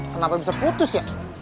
kenapa bisa putus ya